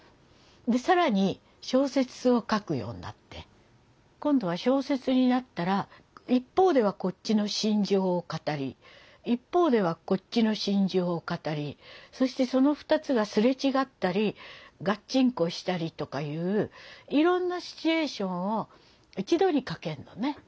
更に小説を書くようになって今度は小説になったら一方ではこっちの心情を語り一方ではこっちの心情を語りそしてその２つが擦れ違ったりがっちんこしたりとかいういろんなシチュエーションを一度に書けるのね。